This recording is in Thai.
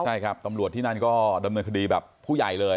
ใช่ครับตำรวจที่นั่นก็ดำเนินคดีแบบผู้ใหญ่เลย